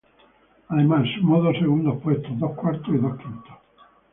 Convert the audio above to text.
Además, sumó dos segundos puestos, dos cuartos y dos quintos.